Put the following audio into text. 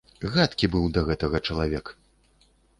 Гадкі быў да гэтага чалавек!